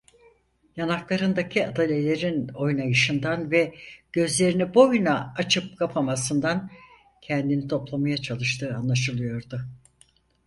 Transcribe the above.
Yanaklarındaki adalelerin oynayışından ve gözlerini boyuna açıp kapamasından kendini toplamaya çalıştığı anlaşılıyordu.